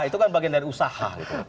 itu kan bagian dari usaha